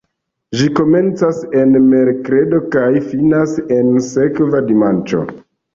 Ĝi komencas en merkredo kaj finas en sekva dimanĉo.